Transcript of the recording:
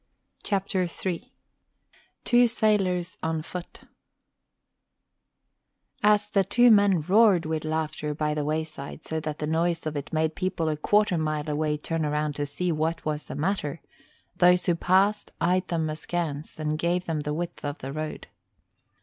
CHAPTER III TWO SAILORS ON FOOT As the two men roared with laughter by the wayside so that the noise of it made people a quarter mile away turn round to see what was the matter, those who passed eyed them askance and gave them the width of the road.